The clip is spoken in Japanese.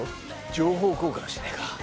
情報交換しねえか。